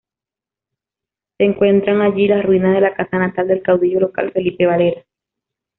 Se encuentran allí las ruinas de la casa natal del caudillo local Felipe Varela.